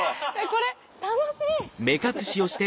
これ楽しい！